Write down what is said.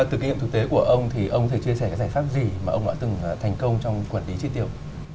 từ kinh nghiệm thực tế của ông thì ông có thể chia sẻ các giải pháp gì mà ông đã từng thành công trong quản lý chi tiêu